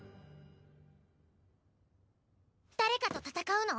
誰かと戦うの？